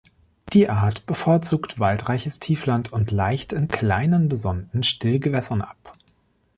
Die Art bevorzugt waldreiches Tiefland und laicht in kleinen, besonnten Stillgewässern ab.